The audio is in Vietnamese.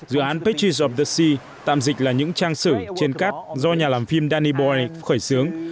dự án pages of the sea tạm dịch là những trang sử trên cát do nhà làm phim danny boy khởi xướng